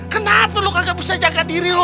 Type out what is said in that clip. kenapa lo kagak bisa jaga diri lo